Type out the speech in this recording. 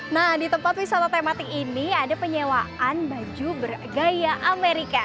nah di tempat wisata tematik ini ada penyewaan baju bergaya amerika